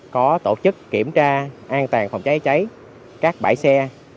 có tổ chức kiểm tra an toàn phòng cháy cháy các bãi xe